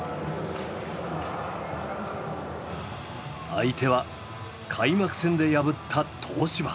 相手は開幕戦で破った東芝。